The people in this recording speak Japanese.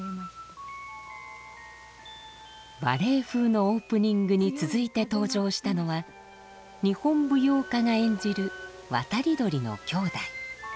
バレエ風のオープニングに続いて登場したのは日本舞踊家が演じる渡り鳥のきょうだい。